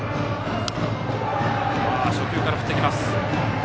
初球から振ってきます。